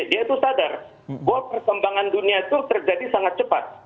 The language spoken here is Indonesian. dia itu sadar bahwa perkembangan dunia itu terjadi sangat cepat